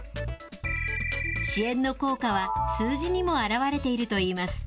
支援の効果は、数字にも表れているといいます。